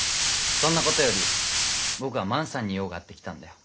そんなことより僕は万さんに用があって来たんだよ。